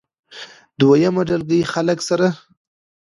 دويمه ډلګۍ خلکو سره